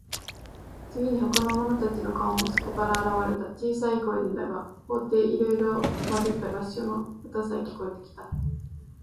次に、ほかの者たちの顔もそこから現われた。小さい声でだが、高低いろいろまじった合唱の歌さえ、聞こえてきた。